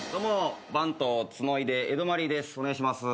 お願いします。